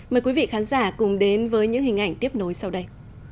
mời quý vị khán giả cùng đến với những hình ảnh tiếp nối sau đây